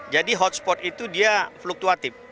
jadi hotspot itu dia fluktuatif